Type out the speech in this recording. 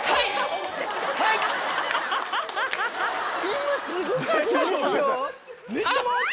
今すごかったですよ。